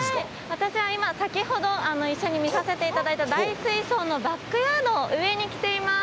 私は今先ほど一緒に見させていただいた大水槽のバックヤード上に来ています。